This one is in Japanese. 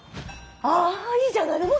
あいいじゃないの。